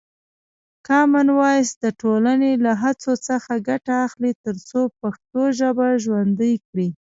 کامن وایس د ټولنې له هڅو څخه ګټه اخلي ترڅو پښتو ژبه ژوندۍ کړي.